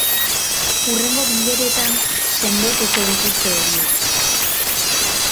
Hurrengo bileretan sendotuko dituzte horiek.